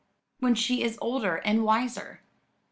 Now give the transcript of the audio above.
"When she is older and wiser."